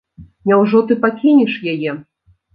Няўжо ты пакінеш яе?